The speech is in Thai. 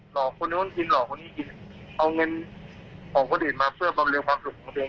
คนนู้นกินหลอกคนนี้กินเอาเงินของคนอื่นมาเพื่อบำรุงความสุขของตัวเอง